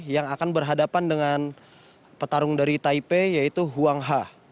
yang akan berhadapan dengan petarung dari taipei yaitu huang ha